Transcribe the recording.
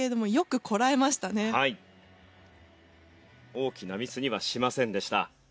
大きなミスにはしませんでした。